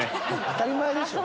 当たり前でしょ。